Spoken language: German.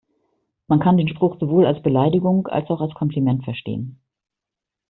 Man kann den Spruch sowohl als Beleidigung als auch als Kompliment verstehen.